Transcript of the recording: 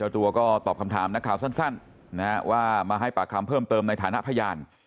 ตัวก็ตอบคำถามนักข่าวสั้นว่ามาให้ปากคำเพิ่มเติมในฐานะพยาน